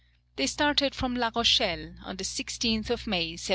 They started from La Rochelle, on the 16th of May, 1735.